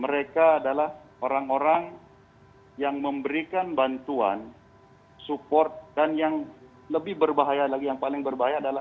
mereka adalah orang orang yang memberikan bantuan support dan yang lebih berbahaya lagi yang paling berbahaya adalah